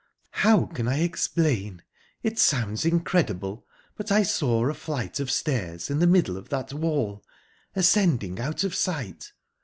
"How can I explain? It sounds incredible, but I saw a flight of stairs in the middle of that wall, ascending out of sight.